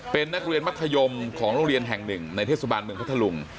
เป็นนักเรียนมัธยมของโรงเรียนแห่งหนึ่งในเทศบาลเมืองพัทธลุง